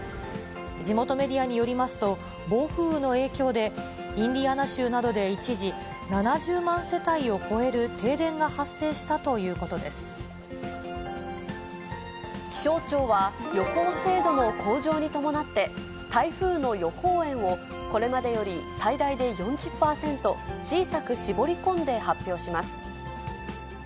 地元メディアによりますと、暴風雨の影響で、インディアナ州などで一時７０万世帯を超える停電が発生したとい気象庁は、予報精度の向上に伴って、台風の予報円をこれまでより最大で４０％小さく絞り込んで発表します。